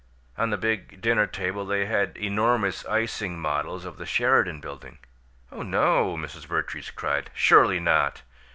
On the big dinner table they had enormous icing models of the Sheridan Building " "Oh, no!" Mrs. Vertrees cried. "Surely not!"